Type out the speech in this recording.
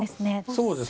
そうです。